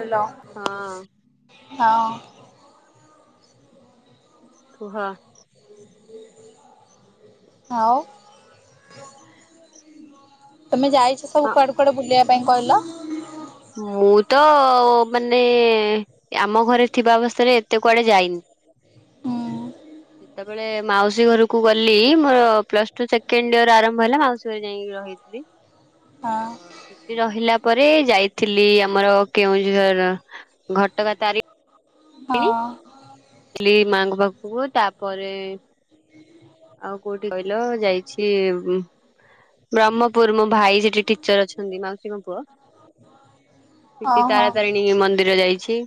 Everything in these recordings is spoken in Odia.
ହେଲୋ, ହଁ ହଁ। କୁହ। ଆଉ। ତମେ ଯାଇଛ ସବୁ କୁଆଡେ କୁଆଡେ ବୁଲିବା ପାଇଁ କହିଲ। ମୁଁ ତ ମାନେ। ଆମ ଘରେ ଥିବା ଅବସ୍ଥାରେ ଏତେ କୁଆଡେ ଯାଇନି। ଉଁ। ଯେତେବେଳେ ମାଉସୀ ଘରକୁ ଗଲି ମୋର ପ୍ଲସଟୁ ସେ କେଣ୍ଡିଅର ଆରମ୍ଭ ହେଲା ମାଉସୀ ଘରେ ଯାଇକି ରହିଥିଲି। ହଁ ସେଠି ରହିଲା ପରେ ଯାଇ ଥିଲି ଆମର କେଉଁଝର ଘଟଗାଁ ତାରି ହଁ। ଥିଲି ମା' ଙ୍କ ପାଖକୁ ତାପରେ। ଆଉ କୋଉଠି କହିଲ ଯାଇଛି ବ୍ରହ୍ମପୁର ମୋ ଭାଇ ସେଠି ଠୀ ପଚାରୁଛନ୍ତି ମାଉସୀଙ୍କ ପୁଅ ସେଠି ଓହୋ ତାରାତାରିଣୀ ମନ୍ଦିର ଯାଇଛି।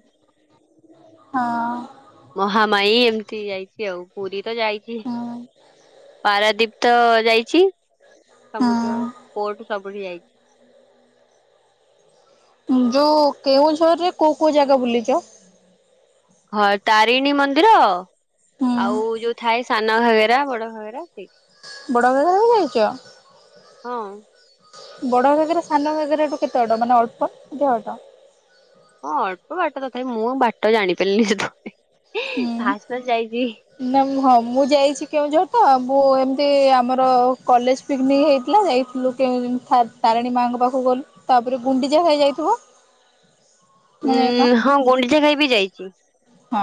ହଁ। ମହାମାଇ ଏମିତି ଯାଇଛି ଆଉ ପୁରୀ ତ ଯାଇଛି। ହୁଁ। ପାରାଦୀପତ ଯାଇଛି ସମୁଦ୍ର ହୁଁ ପୋଟ ସବୁଠି ଯାଇଛି। ଯୋଉ କେଉଁଝରରେ କୋଉ କୋଉ ଜାଗା ବୁଲିଛ? ହଁ ତାରିଣୀ ମନ୍ଦିର। ହୁଁ ଆଉ ଯୋଉ ଥାଏ ସାନ ଘାଗେରା ବଡ ଘାଗେରା ସେଇଠି। ବଡ ଘାଗେରା ବି ଯାଇଛ? ହଁ ବଡ ଘାଗେରା ସାନ ଘାଗେରାଠୁ କେତେ ବାଟ ମାନେ ଅଳ୍ପ ଦେହଟ। ହଁ ଅଳ୍ପ ବାଟ ତଥାପି ମୁଁ ବାଟ ଜାଣିପାରିଲିନି ସେ ତ ହୁଁ। ଫାସ୍ ଫାସ୍ ଯାଇଛି। ନା ହଁ ମୁଁ ଯାଇଛି କେଉଁଝର ତ ମୁଁ ଏମିତି ଆମର କଲେଜ। ପିକନିକ୍ ହେଇଥିଲା ଯାଇଥିଲୁ କେଉଁ ଥା ତାରିଣୀ ମା'ଙ୍କ ପାଖକୁ ଗଲୁ। ତାପରେ ଗୁଣ୍ଡିଚା ଘାଇ ଯାଇଥିବ। ନା ଯାଇନ? ଉଁ ହଁ ଗୁଣ୍ଡିଚା ଘାଇ ବିି ଯାଇଛି। ହଁ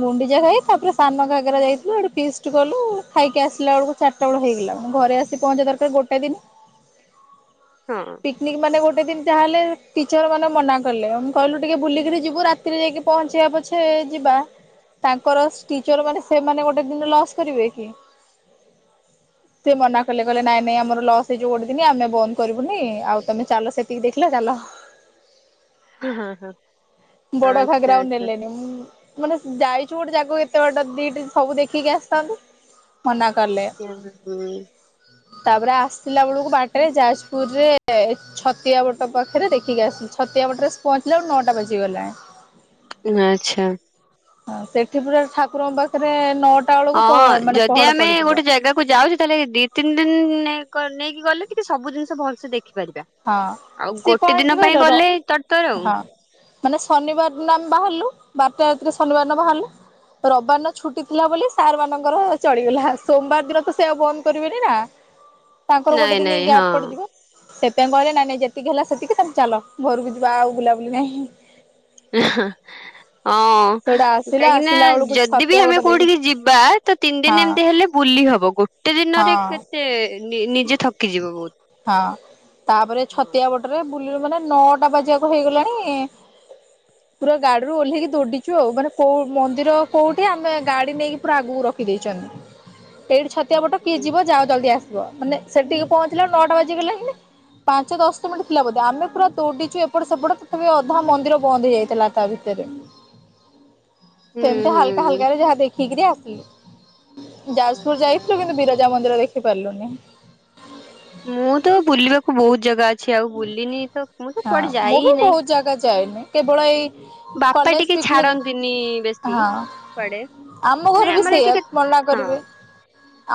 ଗୁଣ୍ଡିଚା ଘାଇ ତାପରେ ସାନଙ୍କ ଘାଗେରା ଯାଇଥିଲୁ ସେଠି ଫିଷ୍ଟ କଲୁ ଖାଇକି ଆସିଲା ବେଳକୁ। ଚାରିଟା ବେଳ ହେଇଗଲାଣି ଘରେ ଆସି ପହଞ୍ଚିବା ଦରକାର ଗୋଟେ ଦିନ ହଁ ପିକ୍ନିକ୍ ମାନେ ଗୋଟେ ଦିନ ଯାହାହଲେ ଟିଚର୍ ମାନେ ମନା କଲେ ଆମେ କହିଲୁ ଟିକେ ବୁଲିକିରି ଯିବୁ ରାତି ତିରେ ଯାଇକି ପହଞ୍ଚିବା ପଛେ ଯିବା। ତାଙ୍କର ଟିଚର୍ ମାନେ ସେମାନେ ଗୋଟେ ଦିନ ଲସ୍ କରିବେ କି? ସେ ମନା କଲେ କହିଲେ ନାଇ ନାଇଁ ଆମର ଲସ୍ ହେଇଯିବ ଗୋଟେ ଦିନ୍ ଆମେ ବନ୍ଦ କରିବୁ। ବୁନି ଆଉ ତମେ ଚାଲ ସେତିକି ଦେଖିଲ ଚାଲ। ହୁଁ ହୁଁ ହୁଁ। ବଡ଼ ଘାଗରା ଆଉ ନେଲେନି। ମାନେ ଯାଇଛୁ ଗୋଟେ ଜାଗକୁ ଏତେ ବାଟ ଦି ଦିନ ସବୁ ଦେଖିକି ଆସିଥାନ୍ତୁ। ମନା କାଲେ। ହୁଁ ତାପରେ ଆସିଲା ବେଳକୁ ବାଟରେ ଯାଜପୁରରେ ଛତିଆ ବଟ ପାଖରେ ଦେଖିକି ଆସିଛୁ। ଛତିଆ ବଟରେ ପହଞ୍ଚିଲା ବଳକୁ ନଅଟା ବଜିଗଲା। ଆଚ୍ଛା। ହଁ ସେଠି ପୁର ଠାକୁରଙ୍କ ପାଖରେ ନଅ ହଁ ଯଦି ଆମେ ଗୋଟେ ଜାଗା କୁ ଯାଉଛି ତାହେଲେ ଦି ତିନି ଦିନ ନେଇକି ଗଲେ କି ସବୁ ଜିନିଷ ଭଲସେ ଦେଖିପାରିବା। ହଁ ଆଉ ସିଏ କଣ ଗୋଟେ ହେଇଚି ଦିନ କହିଲ ପାଇଁ ର ଗଲେ ତର ତର ଆଉ। ହଁ। ମାନେ ଶନିବାର ଦିନ ଆମେ ବାହାରଲୁ ବାରଟା ରାତିରେ ଶନିବାର ଦିନ ବାହାରଲୁ। ରବାରନ ଛୁଟି ଥିଲା ବୋଲି ସାର୍ ମାନଙ୍କର ଚଳିଗଲା ସୋମବାର ଦିନ ତ ସେ ଆଉ ବନ୍ଦ କରିବେନି ନା। ତାଙ୍କର ନାଇଁ ଗୋଟେ ଦିନି ନାଇଁ ହଁ ଗ୍ୟାପ ପଡ଼ିଯିବ। ତେଁ କହିଲେ ନାଁ ନାଇଁ ଯେତିକି ହେଲା ସେତିକି ତମେ ଚାଲ ଘରୁକୁ ଯିବା ଆଉ ବୁଲାବୁଲି ନାହିଁ। ଏଁ ହଁ ଅଁ ସେଉଟା ଆସିଲା କାହିଁକି ନା ଆସିଲା ବେଳକୁ ଯଦି ବି ଛତିଆ ବଟ ଆମେ ଦେଇକି କୋଉଠିକି ଯିବା ତ ତିନି ଦିନ ହଁ ଏମତି ହେଲେ ବୁଲି ହବ ଗୋଟେ ଦିନରେ ହଁ କେ ତେ ନି ନିଜେ ଥକିଯିବୁ ବୋହୁ ହଁ। ତାପରେ ଛତିଆ ବଟରେ ବୁଲିିଲୁ ମାନେ ନଅଟା ବାଜିଆକୁ ହେଇଗଲାଣି ପୁରା ଗାଡ଼ିରୁ ଓହ୍ଲେଇକି ଦୌଡିଚୁ ଆଉ ମାନେ କୋଉ ମନ୍ଦିର କୋଉଠି ଆମେ ଗାଡି ନେଇକି ପୁରା ଆଗୁକୁ ରଖିଦେଇଚନ୍ତି। ଏଇଠି ଛତିଆ ବଟ କିଏ ହୁଁ ଯିବ ଯାଅ ଜଲଦି ଆସିବ ମାନେ ସେଠିକି ପହଞ୍ଚିଲା ନଅଟା ବାଜିିଗଲା ହିନେ। ପାଞ୍ଚ ଦଶ ମିଣ୍ଟି ଥିଲା ବୋଧେ ଆମେ ପୁରା ଦୋଡ଼ିଚୁ ଏପଟ ସେପଟ ତଥାପି ଅଧା ମନ୍ଦିର ବନ୍ଦ ହେଇଯାଇଥିଲା ତା ଭି ତେରେ ହୁଁ ସେମତି ହାଲକା ହୁଁ ହାଲକାରେ ଯାହା ଦେଖିକିରି ଆସିଲି। ଯାସପୁର ଆଚ୍ଛା ଯାଇଥିଲୁ କିନ୍ତୁ ବିରଜା ମନ୍ଦିର ଦେଖି ପାରିଲୁନି। ମୁଁ ତ ବୁଲିବାକୁ ବୋହୁତ ଜାଗା ଅଛି ଆଉ ବୁଲିିନି ତ ମୁଁ ତ କୁଆଡ଼େ ଯାଇ ଉ ହିଁ ନାହିଁ ବୋହୁତ ଜାଗା ଯାଇନେ‌। କେବଳ ଏଇ ବାପା କଲେଜ ଟିକେ ପିକନିକ ଛାଡନ୍ତିନି ବେଶୀ ହଁ କୁଆଡ଼େ। ଆମ ଘରେ ବି ସେଇଆ ମନା କରିବେ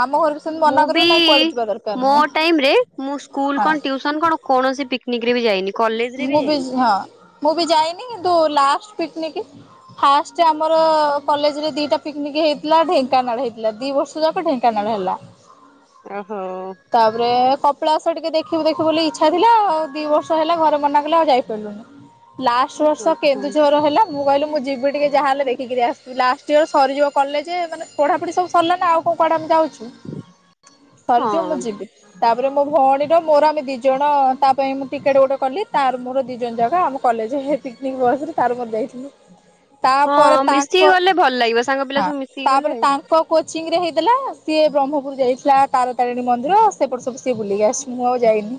ଆମ ଘରେ ବି ସେମିତି ମୁଁ ମନା ବି କରିବେ ନାଇଁ କୁଆଡେ ଯିବା ଦରକାର ମୋ ନାହିଁ ଟାଇମ ରେ ମୁଁ ସ୍କୁଲ ହଁ କଣ ଟ୍ୟୁସନ କଣ କୌଣସି ପିକନିକରେ ବି ଯାଇନି। କଲେଜ ରେ ମୁଁ ବି ଯାଇନି। ହଁ ମୁଁ ବି ଯାଇନି କିନ୍ତୁ ଲାଷ୍ଟ ପିକନିକି ଫାଷ୍ଟେ ଆମର କଲେଜରେ ଦିଟା ପିକନିକି ହେଇଥିଲା ଢେଙ୍କାନାଳ ହେଇଥିଲା ଦି ବର୍ଷ ତ ଯାଙ୍କ ଢେଙ୍କାନାଳ ହେଲା। ଅଁହୋ। ତାପରେ କପିଳାସ ଟିକେ ଦେଖିବୁ ଦେଖିବୁ ବୋଲି ଇଚ୍ଛା ଥିଲା ଆଉ ଦି ବର୍ ତ ହେଲା ଘରେ ମନା କଲେ ଆଉ ଯାଇ ପାଇଲୁନି ଲାଷ୍ଟ ବର୍ଷ ଆଚ୍ଛା। କେନ୍ଦୁଝର ହେଲା। ମୁଁ କହିଲି ମୁଁ ଯିବି ଟିକେ ଯାହା ହେଲେ ଦେଖିକିରି ଆସିବି ଲାଷ୍ଟ ଇୟର ସରିଯିବ କଲେଜେ ମାନେ ପଢାପୁଢି ସବୁ ଭଲ ନାଁ ଆଉ କୋଉ କୁଆଡ଼େ ଆମେ ଯାଉଚୁ? ସରିଯିବ ମୁଁ ହଁ ଯିବି ତାପରେ ମୋ ଭଅଣୀର ମୋର ଆମେ ଦି ଜଣ ତା ପାଇଁ ଟିକେଟ୍ ଗୋଟେ କଲି ତାର ମୋର ଦି ଜଣ ଯାକ ଆମ କଲେଜ ହେ ପିକନିକ୍ ବସରେ ତାର ମୋର ଯାଇଥିଲୁ। ତାପରେ ହଁ ମିଶିକି ତାଙ୍କ ଗଲେ ଭଲ ଲାଗିବ ସାଙ୍ଗ ପିଲା ହଁ ସବୁ ମିଶିକି ଗଲେ। ତାପରେ ତାଙ୍କ କୋଚିଂ ରେ ହେଇଥିଲା ସିଏ ବ୍ରହ୍ମପୁର ଯାଇଥିଲା ତାରା ତାରିଣୀ ମନ୍ଦିର ସେପଟେ ସବୁ ସିଏ ବୁଲିକି ଆସିଚି ମୁଁ ଆଉ ଯାଇନି।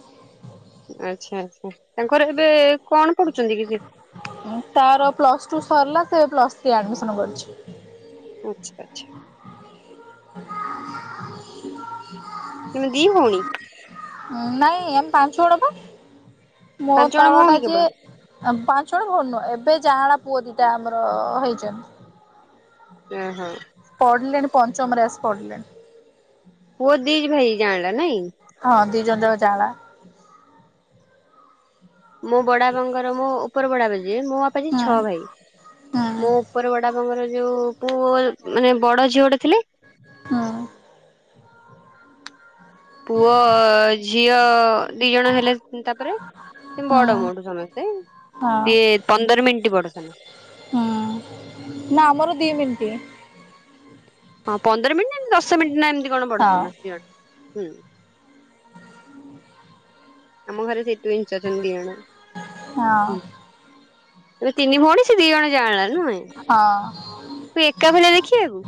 ଆଚ୍ଛା ଆଚ୍ଛା ତାଙ୍କର ଏବେ କଣ ପଡୁଚନ୍ତି କି ସିଏ? ଉଁ ତାର ପ୍ଲସ୍ ଟୁ ସରଲା ସେ ପ୍ଲସ୍ ଥ୍ରୀ ଆଡମିସନ କରିଛି। ଆଚ୍ଛା ଆଚ୍ଛା। ଉନେ ଦି ଭଉଣୀ? ଉଁ ନାଇଁ ଆମେ ପାଞ୍ଚ ଜଣ ପା ମୋ ପାଞ୍ଚ ଜଣ ତଳଟା ଭଉଣୀ କେବଳ? ଯିଏ ଆଁ ପାଞ୍ଚ ଜଣ ଭଲ ଏବେ ଯାଆଁଳା ପୁଅ ଦିଟା ଆମର ହେଇଚନ୍ତି। ଏ ହ। ପଢ଼ିଲେଣି ପଞ୍ଚମରେ ଆସି ପଢ଼ିଲେଣି। ପୁଅ ଦି ଭାଇ ଜାଆଁଳା ନାଇଁ? ହଁ ଦି ଜଣ ଯାକ ଜାଆଁଳା। ମୋ ବଡାବାଙ୍କର ମୋ ଉପର ବଡାବା ଯିଏ ମୋ ବାପା ଯିଏ ହୁଁ। ଛଅ ଭାଇ। ହୁଁ ମୋ ଉପର ବଡାବାଙ୍କର ଯୋଉ ପୁଅ ମାନେ ବଡ଼ ଝିଅଟେ ଥିଲେ। ହଁ [inaudible] ପୁଅ, ଝିଅ ଦି ଜଣ ହେଲେ ତାପରେ ସେ ହୁଁ ବଡ ମୋଠୁ ସମସ୍ତେ। ହଁ ସିଏ ପନ୍ଦର ମିନିଟ୍ ବଡ ସାନ। ହୁଁ, ନା ଆମର ଦି ମିନିଟ। ହଁ ପନ୍ଦର ମିନିଟ୍ ନା ଦଶ ମିନିଟ ନା ଏମିତି କଣ ବଡ ହଁ ସାନ ଦି ଜଣ। ହୁଁ, ଆମ ଘରେ ସେଇଥିପାଇଁ ଇଞ୍ଚ ଅଛନ୍ତି ଦି ଜଣ। ହଁ ତମେ ତିନି ଭଉଣୀ ସେ ଦି ଜଣ ଯାଆଁଳା ନୁହେଁ? ହଁ ତୁ ଏକା ଭଳିଆ ଦେଖିବାକୁ?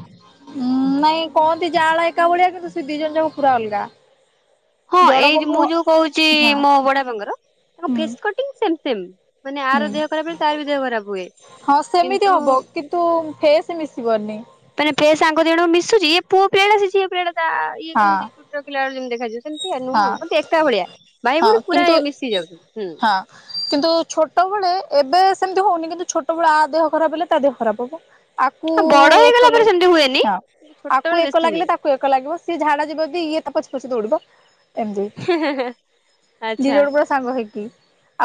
ହୁଁ ନାଇଁ କହନ୍ତି ଯାଆଁଳା ଏକା ଭଳିଆ କିନ୍ତୁ ସେ ଦି ଜଣ ଯାକ ପୁରା ଅଲଗା। ହଁ ଜଣକ ଏଇ ମୁଁ ମୁହଁ ଯଉ କହୁଛି ହଁ ମୋ ବଡ ବାପାଙ୍କର ତାଙ୍କ ହୁଁ ଫେସ କଟିଙ୍ଗ ସେମ୍ ସେମ୍ ମାନେ ହୁଁ। ଆର ଦେହ ଖରାପ ହେଲେ ତାର ବି ଦେହ ଖରାପ ହୁଏ ହଁ ସେମିତି କିନ୍ତୁ ହବ କିନ୍ତୁ ଫେସ୍ ମିଶିିବନି। ମାନେ ଫେସ ଆଙ୍କ ଦି ଜଣଙ୍କ ମିଶୁଛି? ୟେ ପିଲାଟା ସେ ଝିଅ ପିଲାଟା ତା ୟେ ହଁ କେମିତି? ଝିଅ ପିଲା ବେଳେ ଯେମିତି ଦେଖାଯାଉ ସେମିତି ହଁ ନୁହଁ ଏକା ଭଳିଆ ଭାଇ ହଁ ଭଉଣୀ ପୁରା କିନ୍ତୁ ମିଶିଯାଉଛି, ହୁଁ। ହଁ କିନ୍ତୁ ଛୋଟବେଳେ ଏବେ ସେମିତି ହଉନି କିନ୍ତୁ ଛୋଟବେଳେ ଆ ଦେହ ଖରାପ ହେଲେ ତା ଦେହ ଖରାପ ହବ। ଆକୁ ହଁ ବଡ ହେଇଗଲା ଏକ ପରେ ସେମିତି ହୁଏନି। ଲାଗେ ହଁ ଆକୁ ଛୋଟବେଳେ ଏକ ବେଶୀ ହୁଏ ଲାଗିଲେ ତାକୁ କୁ ଏକ ଲାଗିବ ସିଏ ଝାଡା ଯିବବି ଇଏ ତା ପଛେ ପଛେ ଦୌଡିବ। ଏମତି ଦି ଆଚ୍ଛା ଜଣ ପୁରା ସାଙ୍ଗ ହେଇକି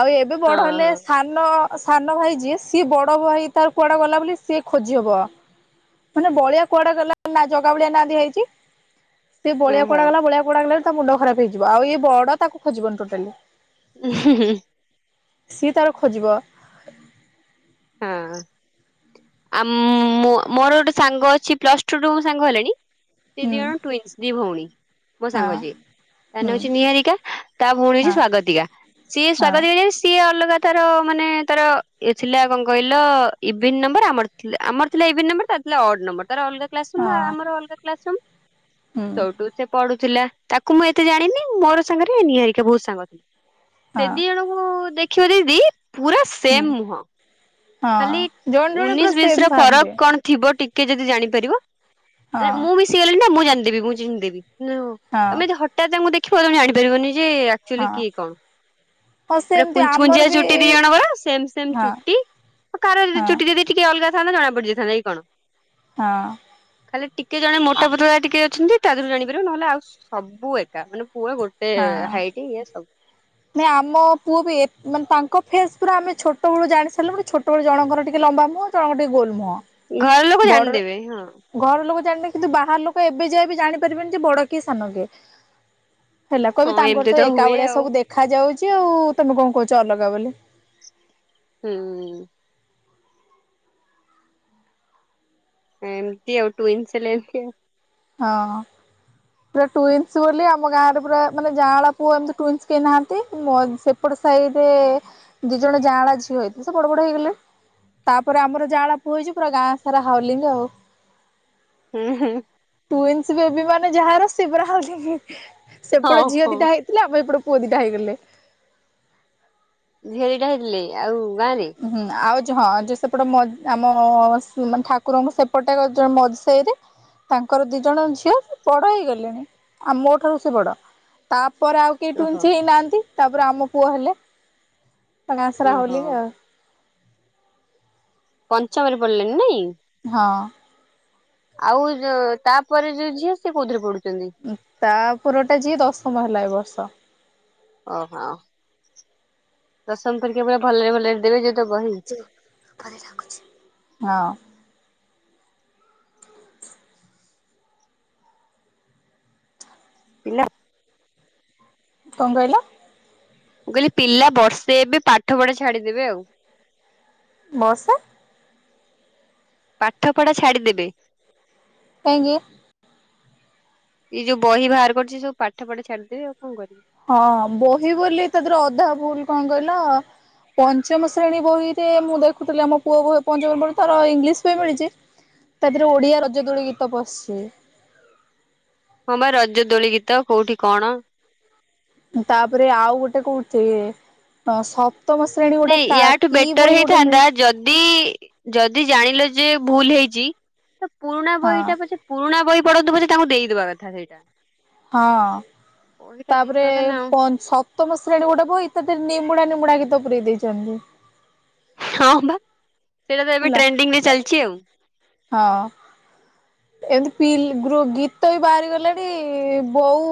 ଆଉ ଏବେ ହଁ ବଡ ହେଲେ ହଁ। ସା ସାନ ସାନ ଭାଇ ଯିଏ ସିଏ ବଡ ଭାଇ ତାର କୁଆଡେ ଗଲା ବୋଲି ସିଏ ଖୋଜି ହବ। ମାନେ ବଳିଆ କୁଆଡେ ଗଲା ନା ଜଗା ବଳିଆ ନା ଦିଆ। ସେ ଓହୋ ବଳିଆ କୁଆଡେ ଗଲା ବଳିଆ କୁଆଡେ ଗଲା ତା ମୁଣ୍ଡ ଖରାପ ହେଇଯିବ ଆଉ ଏ ବଡ ତାକୁ ଖୋଜିବନି ଟୋଟାଲି। [unintelligible] ସିଏ ତାର ଖୋଜିବ। ହଁ ଆ ମୋର ଗୋଟେ ସାଙ୍ଗ ଅଛି ପ୍ଲସ ଟୁରୁ ସାଙ୍ଗ ହେଲେଣି ସେ ହୁଁ ଦି ଜଣ ଟ୍ୱଇନ୍ସ ଦି ଭଉଣୀ ମୋ ହଁ ସାଙ୍ଗ ଯିଏ। ତା ନା ହୁଁ ହଉଛି ନିହାରିକା ତା ଭଉଣୀ ହଉଛି ହଁ ସ୍ଵାଗତିକା ସିଏ ହଁ ସ୍ଵାଗତିକା ଯିଏ, ସିଏ ଅଲଗା ତାର ମାନେ ତାର ୟେ ଥିଲା କଣ କହିଲ କହିଲ ଇଭିନ୍ ନମ୍ବର ଆମର ଥିଲା ଆମର ଥିଲା ଇଭିନ୍ ନମ୍ବର ତା ଥିଲା ଅଡ ନମ୍ବର ତାର ଅଲଗା କ୍ଲାସ ରୁମ୍ ହଁ ଆମର ଅଲଗା କ୍ଲାସ ରୁମ୍ ହୁଁ ସେଇଠୁ ପଢୁଥିଲା ତାକୁ ମୁଁ ଏତେ ଜାଣିନି ମୋର ସାଙ୍ଗରେ ଏ ନିହାରିକା ବହୁତ ସାଙ୍ଗ ଥିଲା ସେ ହଁ ଦି ଜଣଙ୍କୁ ଙ୍କୁ ଦେଖିବ ଯଦି ପୁରା ହୁଁ ସେମ୍ ମୁହଁ। ଖାଲି ହଁ ଜଣେ ଜଣେ ପୁରା ଉଣେଇଶି ସେମ ବିଶର ଫରକ ଥାନ୍ତି କଣ ଥିବ ଟିକେ ଯଦି ଜାଣିପାରିବ ହଁ ମାନେ ମୁଁ ମିଶିଗଲିଣି ନା ମୁଁ ଜାଣିଦବି ମୁଁ ଚିହ୍ନିଦେବି। ନାଁ ହଁ ତମେ ଯଦି ହଠାତ୍ ଆମକୁ ଦେଖିବ ତମେ ଜାଣିପାରିବନି ଯେ ଆକ୍ଚୁଆଲି ହଁ କିଏ କଣ? ହଁ ପୁରା ସେମିତି କୁଞ୍ଚ ଆମର କୁଞ୍ଚିଆ ବି ଚୁଟି ଦି ଜଣଙ୍କର ସେମ ସେମ ହଁ ଚୁଟି। କି ହଁ ଚୁଟି ଯଦି ଟିକେ ଅଲଗା ଥାନ୍ତା ଜଣା ପଡିଯାଇଥାନ୍ତା କି କଣ? ହଁ ଖାଲି ଟିକେ ଜଣ ମୋଟା ପତଳା ଟିକେ ଅଛନ୍ତି ତା ଦେହରୁ ଜାଣିପାରିବ ନହେଲେ ଆଉ ସବୁ ଏକା ମାନେ ପୁରା ଗୋଟେ ହାଇଟ ଇଏ ସବୁ ମାନେ ଆମ ପୁଅ ବି ମାନେ ତାଙ୍କ ଫେସ୍ ପୁରା ଆମେ ଛୋଟବେଳୁ ଜାଣି ସାରିଲୁ ମାନେ ଛୋଟ ସେତବେଳେ ଜଣଙ୍କର ଟିକେ ଲମ୍ବା ମୁହଁ ଜଣଙ୍କର ଟିକେ ଗୋଲ ମୁହଁ। ଘର ଲୋକ ବଡ ଜାଣିଦେବେ ହଁ। ଘର ଲୋକ ଜାଣିବେ କିନ୍ତୁ ବାହାର ଲୋକ ଏବେ ଯାଏ ବି ଜାଣିପାରିବେନି ଯେ ବଡ କିଏ ସାନ କିଏ? ହେଲା ହଁ କହିବି ତାଙ୍କର ଏମିତି ତ ଏକା ହୁଏ ଭଳିଆ ଆଉ ସବୁ ଦେଖା ଯାଉଛି ଆଉ ତମେ କଣ କହୁଛ ଅଲଗା ବୋଲି? ହୁଁ। ଏମତି ଆଉ ଟୁଇନ୍ସ ହେଲେ ଏମିତି ହଁ। ପୁରା ଟୁଇନ୍ସ ବୋଲି ଆମ ଗାଁରେ ପୁରା ମାନେ ଯାଁଆଳା ପୁଅ ଏମିତି ଟୁଇନ୍ସ କେ ନାହାନ୍ତି ଏପଟ ସାହିରେ ଦି ଜଣ ଯାଆଁଳା ଝିଅ ହେଇଥିଲେ ସେ ବଡ ବଡ ହେଇଗଲେ। ତାପରେ ଆମର ଜାହାଳ ପୁଅ ହେଇଛି ପୁରା ଗାଁ ସାରା ହାଉଲିି ଆଉ ହୁଁ ହୁଁ। ଟୁଇନ୍ସ ବେବି ମାନେ ଯାହାର ସେ ସେପଟେ ହଁ ଝିଅ ହଁ। ଦିଟା ହେଇ ଆମ ଏଟ ପୁଅ ଦିଟା ହେଇଗଲେ। ଝିଅ ଦିଟା ହେଇଥିଲେ ଆଉ ଗାଁରେ ହୁଁ ଆଉ ହଁ ଯେ ସେପଟ ଆମ ଠାକୁରଙ୍କୁ ସେପଟ ମଝି ସାଇରେ ତାଙ୍କର ଦି ଜଣ ଝିଅ ବଡ ହେଇଗଲେଣି ଆମ ମୋ ଠାରୁ ସେ ବଡ ତାପରେ ଆଉ କେ ଓହୋ ଟୁଇନ୍ସ ହିଁ ହେଇନାହାନ୍ତି ତାପରେ ଆମ ପୁଅ ହେଲେ। ଗାଁ ସାରା ଓହୋ ହାଉଲି ଆଉ ପଞ୍ଚମରେ ପଡିଲେଣିି ନାଇଁ। ହଁ। ଆଉ ଯ ତାପରେ ଯୋଉ ଝିଅ ସିଏ କୋଉଥିରେ ପଢୁଛନ୍ତି? ତା ପରଟା ଯିଏ ଦଶମ ହେଲା ଏ ବର୍ଷ। ଓହୋ ଦଶମ ପରୀକ୍ଷା ପୁରା ଭଲରେ ଭଲରେ ଦେବେ ଯୋଉ ତ ବହି ହଁ। ପିଲା। କଣ କହିଲ? ମୁଁ କହିଲି ପିଲା ବର୍ଷେ ଏବେ ପାଠ ପଢା ଛାଡିଦେବେ ଆଉ ବସ ପାଠ ପଢା ଛାଡିଦେବେ? କାହିଁକି? ଏଇ ଯୋଉ ବହି ବାହାର କରଛି ସବୁ ପାଠ ପଢା ଛାଡିଦେବି ଆଉ କଣ କରିବି। ହଁ ବହି ବୋଲି ତା ଦେହରେ ଅଧା ଫୁଲ କଣ କହିଲ? ପଞ୍ଚମ ଶ୍ରେଣୀ ବହିରେ ମୁଁ ଦେଖୁଥିଲି ଆମ ପୁଅ ବ ପଞ୍ଚମ ବ ତାର ଇଂଲିଶ ବହି ମିଳିଛି। ତା ଦେହରେ ଓଡିଆ ରଜଦୋଳି ଗୀତ ପଶଛି। ହଁ ବା ରଜ ଦୋଳି ଗୀତ କୋଉଠି କଣ? ତାପରେ ଆଉ ଗୋଟେ କୋଉଥି ସ ତମ ଶ୍ରେଣୀ। ଗୋଟେ ନାଇଁ କା ୟାଠୁ କି ବେଟର ବହି ଗୋଟେ ହେଇଥାନ୍ତା ମିଳିଛି ଯଦି ଯଦି ଜାଣିଲ ଯେ ଭୁଲ ହେଇଛି ତ ପୁରୁଣା ହଁ ବହି ଟା ପଛେ ପୁରୁଣା ବହି ପଢନ୍ତୁ ପଛେ ତାଙ୍କୁ ଦେଇଦବା କଥା ସେଇଟା। ହଁ ବହିଟା ତାପରେ ଦେଇଦବା କଥା ନା ଆଉ ସ ତମ ଶ୍ରେଣୀ ଗୋଟେ ବହି ଇତଦରେ ନିମୁଡା ନିମୁଡ଼ା ଗୀତ ପୁରେଇ ଦେଇଛନ୍ତି। ହଁ ବା ସେଇଟା ତ ଏବେ ହେଲା ଟ୍ରେଣ୍ଡିଙ୍ଗ ରେ ଚାଲିଛି ଆଉ। ହଁ। [unintelligible] ଗୀତ ବି ବାହାରି ଗଲାଣି, ବୋଉ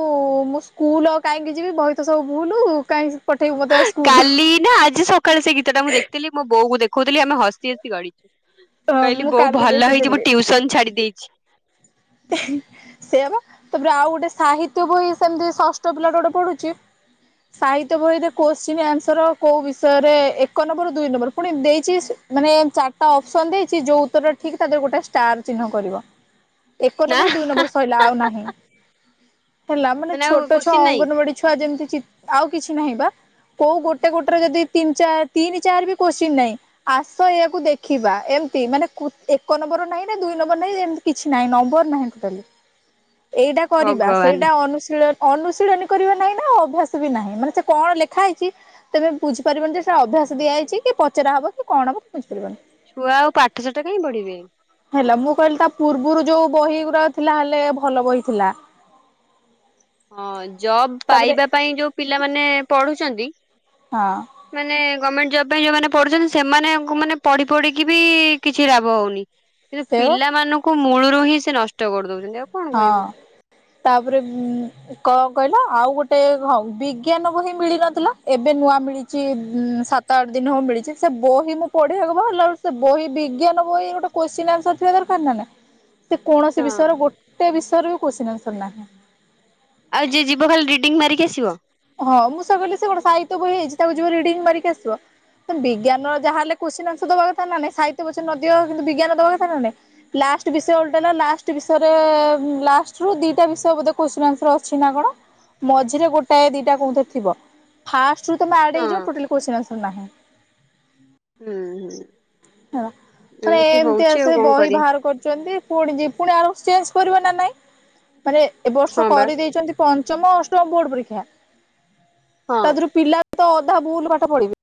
ମୁଁ ସ୍କୁଲ କାହିଁକି ଯିବି? ବହିତ ସବୁ ଭୁଲ୍ କାହିଁକି? ପଠେଇବୁ ମତେ ଆଉ ସ୍କୁଲ କାଲି ନା ଆଜି ସକାଳେ, ସେ ଗୀତଟା ମୁଁ ଦେଖିଥିଲି। ମୋ ବୋଉକୁ ଦେଖଉଥିଲି, ଆମେ ହସି ହସି ଗଡିଛୁ। ମୁଁ ହଁ କହିଲି, ମୁଁ ବୋଉ କାଲି ଭଲ ହେଇଛି। ମୁଁ ଦେଖୁଥିଲି। ଟ୍ୟୁସନ ଛାଡି ଦେଇେଛି। [unintelligible] ସେୟାବା, ତାପରେ ଆଉ ଗୋଟେ ସାହିତ୍ୟ ବହି। ସେମିତି ଷଷ୍ଠ ପିଲା ଟା ଗୋଟେ ପଢୁଛି। ସାହିତ୍ୟ ବହିରେ କୋଶ୍ଚିନ୍ ଆନ୍ସର। କୋଉ ବିଷୟରେ ଏକ ନମ୍ବର, ଦୁଇ ନମ୍ବର ପୁଣି ଦେଇଛି। ମାନେ, ଚାରିଟା ଅପ୍ସନ୍ ଦେଇଛି। ଯୋଉ ଉତ୍ତର ଠିକ୍, ତା ଦେହରେ ଗୋଟେ ଷ୍ଟାର ଚିହ୍ନ କରିବ। ଏକ ନା। ନମ୍ବର, ଦୁଇ ନମ୍ବର ସରିଲା। ଆଉ ନାହିଁ। ହେଲା, ମାନେ ଆଉ ଛୋଟ ଛୁଆ, କୋଶ୍ଚିନ୍ ନାଇଁ ଅଙ୍ଗନବାଡି ଛୁଆ ଯେମିତି। ଆଉ କିଛି ନାହିଁ ବା? କୋଉ ଗୋଟେ ଗୋଟେରେ ଯଦି ତିନି ଚାର ତିନି ଚାରି ବି କୋଶ୍ଚିନ୍ ନାହିଁ? ଆସ, ଏଇଆକୁ ଦେଖିବା। ଏମିତି, ମାନେ ଏକ ନମ୍ବର ନାହିଁ, ନା ଦୁଇ ନମ୍ବର ନାହିଁ ଏମତି କିଛି। ନାହିଁ, ନମ୍ବର ନାହିଁ। ଟୋଟାଲି ଏଇଟା କରିବା, ଭଗବାନ ସେଇଟା ଅନୁଶୀଳ ଅନୁଶୀଳନୀ କରିବ ନାହିଁ ନା? ଆଉ ଅଭ୍ୟାସ ବି ନାହିଁ। ମାନେ ସେ କଣ ଲେଖା ହେଇଛି? ତମେ ବୁଝିପାରିବନି ଯେ, ସେଟା ଅଭ୍ୟାସ ଦିଆଯାଇଛି କି, ପଚରା ହବ କି, କଣ ହବ ବୁଝିପାରିବନି। ଛୁଆ ଆଉ ପାଠଶାଠ କାହିଁ ପଢିବେ? ହେଲା, ମୁଁ କହିଲି, ତା ପୂର୍ବରୁ ଯୋଉ ବହିଗୁଡା ଥିଲା, ହେଲେ ଭଲ ବହି ଥିଲା। ହୁଁ ହଁ, ଜବ୍ ପାଇବା ପାଇଁ ଯୋଉ ପିଲାମାନେ ପଢୁଛନ୍ତି। ହଁ। ମାନେ, ଗଭର୍ଣମେଣ୍ଟ ଜବ୍ ପାଇଁ ଯୋଉମାନେ ପଢୁଛନ୍ତି, ସେମାନେ ମାନେ ପଢ଼ି ପଢିକି ବି କିଛି ଲାଭ ହଉନି। କିନ୍ତୁ ସେୟା ବା ପିଲାମାନଙ୍କୁ ମୂଳରୁ ହିଁ ସେ ନଷ୍ଟ କରି ଦଉଛନ୍ତି। ଆଉ କଣ କହିବ। ହଁ। ତାପରେ କଣ କହିଲ? ଆଉ ଗୋଟେ ହଁ ବିଜ୍ଞାନ ବହି ମିଳିନଥିଲା। ଏବେ ନୂଆ ମିଳିଛି। ଉଁ ସାତ ଆଠ ଦିନ ହେବ‌ ମିଳିଛି ସେ ବହି। ମୁଁ ପଢିବାକୁ ବାହାରିଲା ବେଳେ ସେ ବହି ବିଜ୍ଞାନ ବହି ଗୋଟେ କୋଶ୍ଚିନ୍ ଆନ୍ସର ଥିବା ଦରକାର ନା ନାହିଁ? ସେ କୌଣସି ହଁ। ବିଷୟର ଗୋଟେ ବିଷୟରେ ବି କୋଶ୍ଚିନ୍ ଆନ୍ସର ନାହିଁ? ଆଉ ଯିଏ ଯିବ, ଖାଲି ରିଡିଙ୍ଗ ମାରିକି ଆସିବ। ହଁ, ମୁଁ ସେୟା କହିଲି। ସେ କଣ ସାହିତ୍ୟ ବହି ହେଇଛି? ତାକୁ ଯିବ, ରିଡିଙ୍ଗ ମାରିକି ଆସିବ। ବିଜ୍ଞାନର ଯାହାହଲେ କୋଶ୍ଚିନ୍ ଆନ୍ସର ଦବା କଥା ନା ନାହିଁ? ସାହିତ୍ୟ ପଛେ ନ ଦିଅ, କିନ୍ତୁ ବିଜ୍ଞାନ ଦବାକଥା ନା ନାହିଁ? ଲାଷ୍ଟ ବିଷୟ ଓଲଟାଲେ ହେଲା। ବିଷୟରେ ଲାଷ୍ଟ ରୁ ଦିଟା ବିଷୟ ବୋଧେ କୋଶ୍ଚିନ ଆନ୍ସର ଅଛି ନା କଣ? ମଝିରେ ଗୋଟାଏ ଦିଟା କୋଉଠି ଥିବ। ଫାଷ୍ଟରୁ ତମେ ହଁ ଆଡ଼େଇଯିବ, ଟୋଟାଲି କୋଶ୍ଚିନ୍ ଆନ୍ସର ନାହିଁ। ହୁଁ ହୁଁ। ହେଲା, ତମେ ଏମିତି ଏମତି ହଉଛି ଆସି ଆଉ କଣ ବହି କରିବି ବାହାର କରୁଛନ୍ତି? ପୁଣି ଯିବି, ପୁଣି ଆର ବର୍ଷ ଚେଞ୍ଜ କରିବକି ନା ନାହିଁ? ମାନେ ଏବ ବର୍ଷ ହଁ ବା କରିଦେଇଛନ୍ତି। ପଞ୍ଚମ ଅଷ୍ଟମ ବୋର୍ଡ ପରୀକ୍ଷା। ହଁ ତାଧୁରୁ ପିଲା ତ ଅଧା ଭୁଲ ପାଠ ପଢିବେ,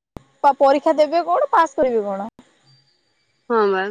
ପରୀକ୍ଷା ଦେବେ କଣ ପାସ୍ କରିବେ କଣ? ହଁ, ବା।